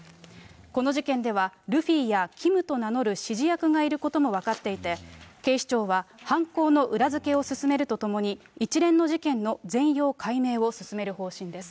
この事件では、ルフィやキムと名乗る指示役がいることも分かっていて、警視庁は犯行の裏付けを進めるとともに、一連の事件の全容解明を進める方針です。